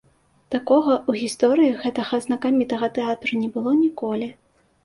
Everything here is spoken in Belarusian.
Такога ў гісторыі гэтага знакамітага тэатру не было ніколі.